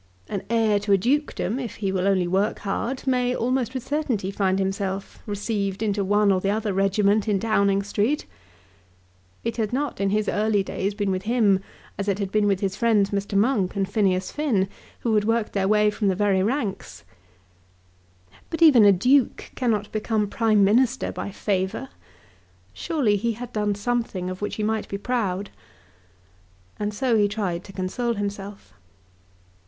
An heir to a dukedom, if he will only work hard, may almost with certainty find himself received into one or the other regiment in Downing Street. It had not in his early days been with him as it had with his friends Mr. Monk and Phineas Finn, who had worked their way from the very ranks. But even a duke cannot become Prime Minister by favour. Surely he had done something of which he might be proud. And so he tried to console himself.